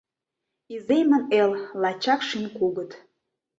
Иземын эл — лачак шӱм кугыт…